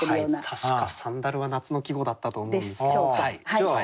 確か「サンダル」は夏の季語だったと思う。でしょうか。